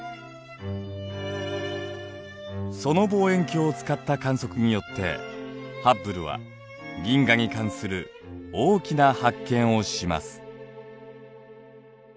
その望遠鏡を使った観測によってハッブルは銀河に関する大きな発見をします。